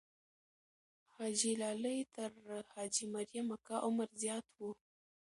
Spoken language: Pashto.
حاجي لالی تر حاجي مریم اکا عمر زیات وو.